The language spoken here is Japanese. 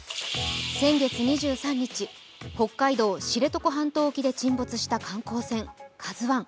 先月２３日、北海道・知床半島沖で沈没した観光船「ＫＡＺＵⅠ」。